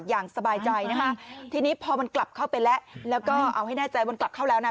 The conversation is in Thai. อย่างสบายใจนะคะทีนี้พอมันกลับเข้าไปแล้วแล้วก็เอาให้แน่ใจมันกลับเข้าแล้วนะ